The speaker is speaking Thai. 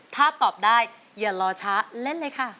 ถ้าตอบได้อย่ารอช้าเล่นเลยค่ะ